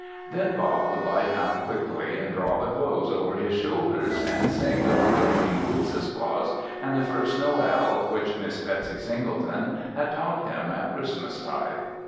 Then Bob would lie down quickly and draw the clothes over his shoulders and sing of the Good King Wenceslas and The First Noël which Miss Betsy Singleton had taught him at Christmas time.